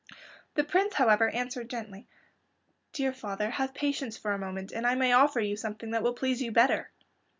The Prince, however, answered gently, "Dear father, have patience for a moment and I may offer you something that will please you better."